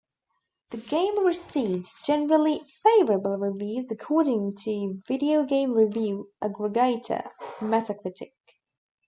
The game received "generally favorable" reviews according to video game review aggregator Metacritic.